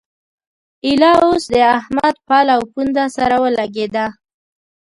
ايله اوس د احمد پل او پونده سره ولګېده.